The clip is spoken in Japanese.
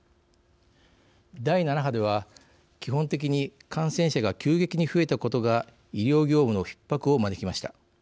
第７波では基本的に感染者が急激に増えたことが医療業務のひっ迫を招きました。